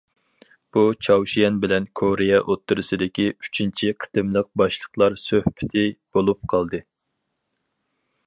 بۇ، چاۋشيەن بىلەن كورېيە ئوتتۇرىسىدىكى ئۈچىنچى قېتىملىق باشلىقلار سۆھبىتى بولۇپ قالدى.